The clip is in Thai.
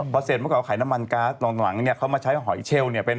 เมื่อก่อนเขาขายน้ำมันก๊าซตอนหลังเขามาใช้หอยเชลล์